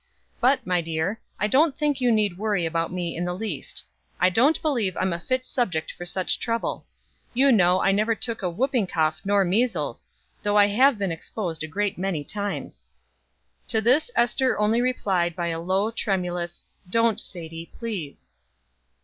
But, my dear, I don't think you need worry about me in the least. I don't believe I'm a fit subject for such trouble. You know I never took whooping cough nor measles, though I have been exposed a great many times." To this Ester only replied by a low, tremulous, "Don't, Sadie, please."